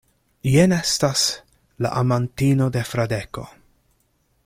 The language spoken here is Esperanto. Jen estas la amantino de Fradeko.